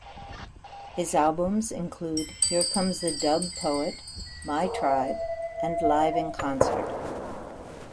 His albums include "Here Comes The Dub Poet", "My Tribe" and "Live in Concert".